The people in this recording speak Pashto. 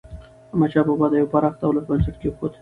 احمدشاه بابا د یو پراخ دولت بنسټ کېښود.